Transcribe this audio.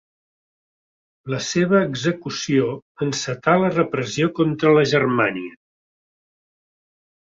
La seva execució encetà la repressió contra la Germania.